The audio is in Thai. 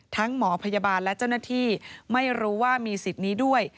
หมอพยาบาลและเจ้าหน้าที่ไม่รู้ว่ามีสิทธิ์นี้ด้วย